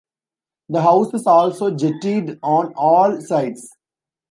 The house is also jettied on all sides.